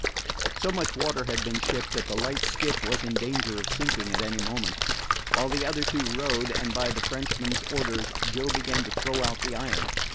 So much water had been shipped that the light skiff was in danger of sinking at any moment. While the other two rowed, and by the Frenchman's orders, Joe began to throw out the iron.